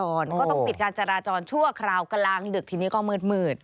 ก็ต้องปิดการจราจรชั่วคราวกลางดึกทีนี้ก็มืด